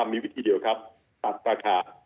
มีวิธีเดียวครับตัดราคา